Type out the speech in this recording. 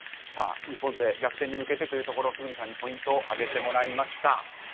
日本勢逆転に向けてというところ村主さんにポイントを挙げてもらいました。